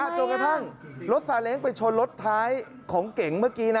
จนกระทั่งรถซาเล้งไปชนรถท้ายของเก่งเมื่อกี้นะ